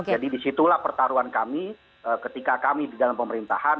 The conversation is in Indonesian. jadi disitulah pertaruhan kami ketika kami di dalam pemerintahan